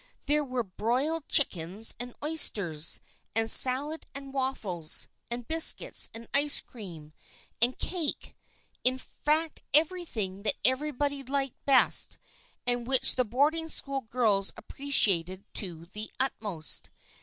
There were broiled chickens, and oysters, and salad, and waffles, and biscuits, and ice cream, and cake, — in fact everything that everybody liked best and which the boarding school girls appre ciated to the utmost.